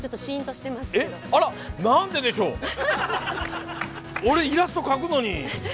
なんででしょ、俺イラスト描くのに。